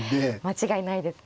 間違いないですね。